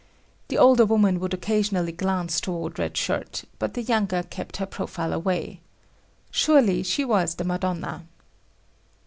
The older woman would occasionally glance toward Red Shirt, but the younger kept her profile away. Surely she was the Madonna.